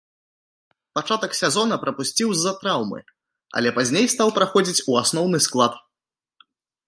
Пачатак сезона прапусціў з-за траўмы, але пазней стаў праходзіць у асноўны склад.